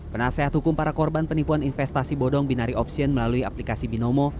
penasehat hukum para korban penipuan investasi bodong binari option melalui aplikasi binomo